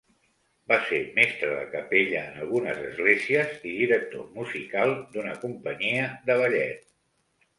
Va ser mestre de capella en algunes esglésies i director musical d'una companyia de ballet.